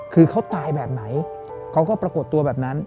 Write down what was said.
คือเขาตายแบบไหนเขาก็ปรากฏตัวแบบนั้น